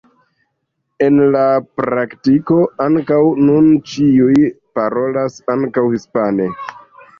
En la praktiko ankaŭ nun ĉiuj parolas ankaŭ hispane.